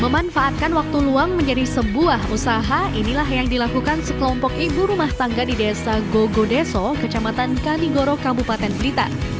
memanfaatkan waktu luang menjadi sebuah usaha inilah yang dilakukan sekelompok ibu rumah tangga di desa gogo de soblitar